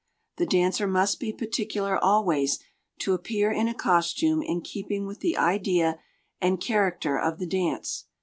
The dancer must be particular always to appear in a costume in keeping with the idea and character of the dance.